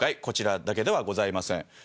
こちらだけではございません。